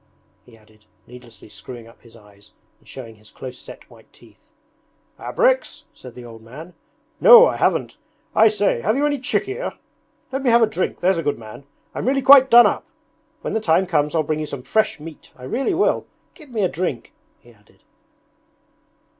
he added, needlessly screwing up his eyes and showing his close set white teeth. 'Abreks,' said the old man. 'No, I haven't. I say, have you any chikhir? Let me have a drink, there's a good man. I'm really quite done up. When the time comes I'll bring you some fresh meat, I really will. Give me a drink!' he added.